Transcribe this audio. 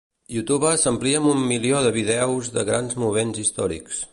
YouTube s'amplia amb un milió de vídeos de grans moments històrics.